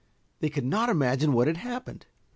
They could not imagine what had happened.